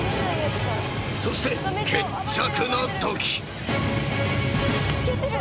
［そして決着のとき］